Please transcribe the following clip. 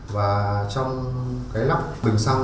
và trong cái lóc bình xăng